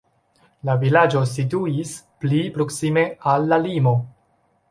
La vilaĝo situis pli proksime al la limo.